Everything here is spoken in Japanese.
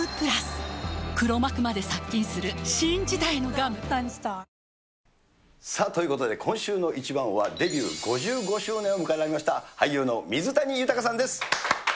十六種類で十六茶さあ、ということで、今週のイチバンは、デビュー５５周年を迎えられました俳優の水谷豊さんです。